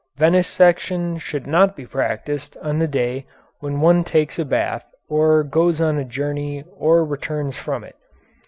Venesection should not be practised on the day when one takes a bath or goes on a journey or returns from it.